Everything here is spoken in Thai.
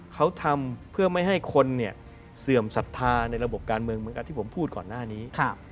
เขาทำเพื่อไม่ให้คนเนี่ยเสื่อมศรัทธาในระบบการเมืองเหมือนกับที่ผมพูดก่อนหน้านี้